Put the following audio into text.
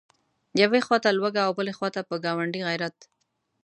یوې خواته لوږه او بلې خواته په ګاونډي غیرت.